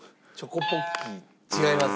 違います。